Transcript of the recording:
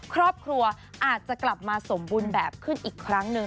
ครอบครัวอาจจะกลับมาสมบูรณ์แบบขึ้นอีกครั้งหนึ่ง